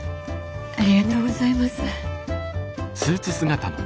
ありがとうございます。